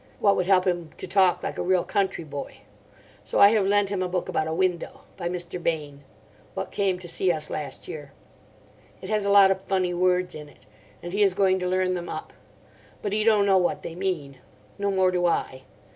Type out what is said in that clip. What would help him to talk like a real country boy. So I have lent him a book about a window. By Mr. Bane. What came to see us last year. It has a lot of funny words in it. And he is going to learn them up. But he don't know what they mean. No more do I.